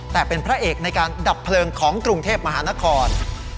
แต่เป็นพระเอกในการดับเพลิงของกรุงเทพมหานคร